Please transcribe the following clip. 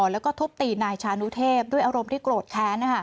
แล้วก็ทุบตีนายชานุเทพด้วยอารมณ์ที่โกรธแค้น